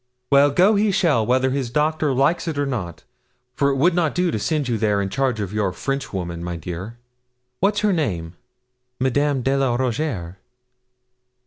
Well, go he shall, whether his doctor likes it or not, for it would not do to send you there in charge of your Frenchwoman, my dear. What's her name?' 'Madame de la Rougierre.'